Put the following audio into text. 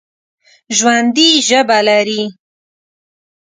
ژوندي ژبه لري